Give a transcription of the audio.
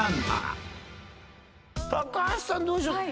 橋さんどうでしょう？